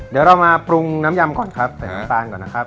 เดี๋ยวเรามาปรุงน้ำยำก่อนครับใส่น้ำตาลก่อนนะครับ